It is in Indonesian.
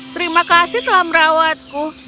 terima kasih telah merawatku